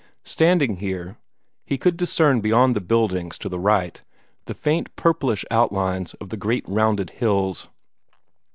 Standing here, he could discern beyond the buildings to the right the faint purplish outlines of great rounded hills.